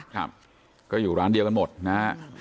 ครับก็อยู่ร้านเดียวกันหมดนะฮะ